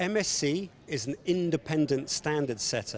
msc adalah pengguna standar yang independen